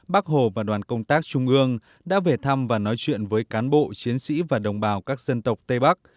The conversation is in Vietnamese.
bắc hồ và đoàn công tác trung ương đã về thăm và nói chuyện với cán bộ chiến sĩ và đồng bào các dân tộc tây bắc